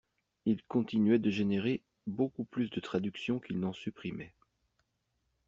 il continuait de générer beaucoup plus de traductions qu’il n’en supprimait.